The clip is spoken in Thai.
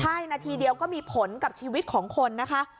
ใช่นาทีเดียวก็มีผลกับชีวิตของคนนะคะ